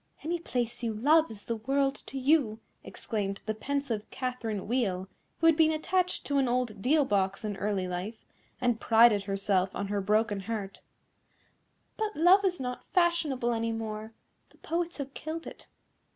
"Any place you love is the world to you," exclaimed the pensive Catherine Wheel, who had been attached to an old deal box in early life, and prided herself on her broken heart; "but love is not fashionable any more, the poets have killed it.